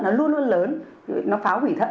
nó luôn luôn lớn nó phá hủy thận